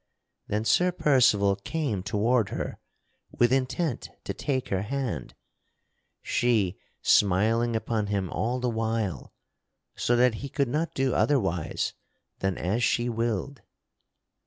Then Sir Percival came toward her with intent to take her hand, she smiling upon him all the while so that he could not do otherwise than as she willed.